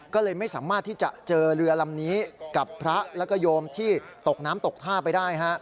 ก็เลยไม่สามารถที่จะเจอเรือลำนี้กับพระแล้วก็โยมที่ตกน้ำตกท่าไปได้